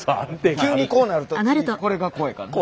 急にこうなると次これが怖いからな。